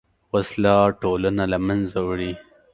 وسله ټولنه له منځه وړي